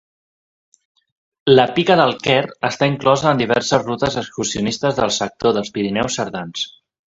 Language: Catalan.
La Pica del Quer està inclosa en diverses rutes excursionistes del sector dels Pirineus cerdans.